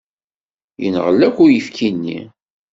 Yenɣel akk uyefki-nni.